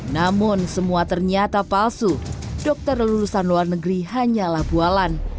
namun semua ternyata palsu dokter lulusan luar negeri hanyalah bualan